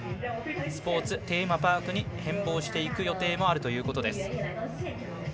スポーツテーマパークに変貌していく予定もあるということです。